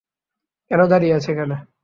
কেন দাঁড়িয়ে আছে এখানে?